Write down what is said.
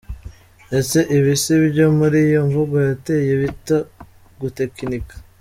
Ese ibi si byo muri ya mvugo yateye bita gutechnika?